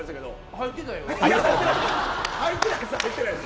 入ってないです。